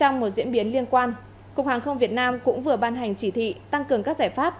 trong một diễn biến liên quan cục hàng không việt nam cũng vừa ban hành chỉ thị tăng cường các giải pháp